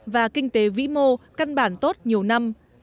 và kinh tế vĩ mô căn bản tốt nhiều năm